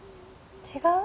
違う？